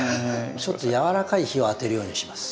ちょっとやわらかい日を当てるようにします。